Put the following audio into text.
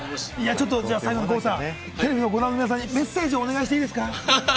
最後にテレビをご覧の皆さんにメッセージをお願いしていいですか？